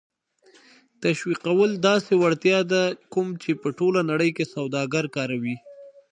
تشویقول داسې وړتیا ده کوم چې په ټوله نړۍ کې سوداګر کاروي.